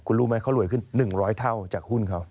คุณรู้มั้ยเขารวยขึ้น๑ร้อยเท่าจากหุ้นเขา